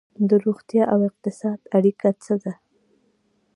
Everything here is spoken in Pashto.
د روغتیا او اقتصاد اړیکه څه ده؟